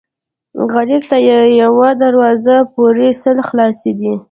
غریب ته یوه دروازه پورې سل خلاصې دي